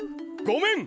・ごめん！